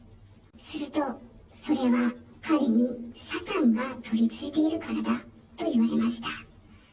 すると、それは彼にサタンが取りついているからだと言われました。